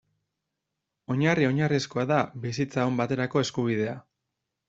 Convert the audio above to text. Oinarri oinarrizkoa da bizitza on baterako eskubidea.